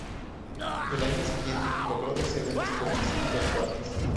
El año siguiente logró dos segundos puestos y dos cuartos.